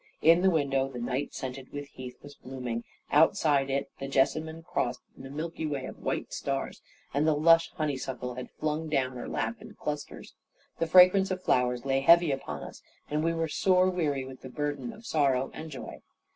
In the window the night scented heath was blooming; outside it, the jessamine crossed in a milky way of white stars, and the lush honeysuckle had flung down her lap in clusters. The fragrance of flowers lay heavy upon us, and we were sore weary with the burden of sorrow and joy.